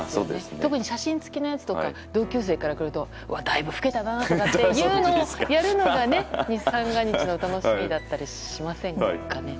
特に写真付きのやつとか同級生からくるとだいぶ老けたなとかやるのが三が日の楽しみだったりしませんかね？